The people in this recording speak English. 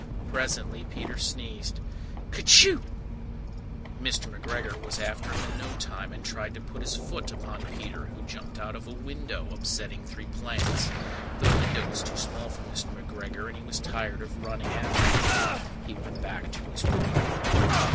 Presently Peter sneezed "Kertyschoo!" Mr. McGregor was after him in no time, And tried to put his foot upon Peter, who jumped out of a window, upsetting three plants. The window was too small for Mr. McGregor, and he was tired of running after Peter. He went back to his work.